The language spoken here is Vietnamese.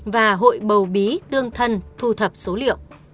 và hội bầu bí tương thân thu thập số liệu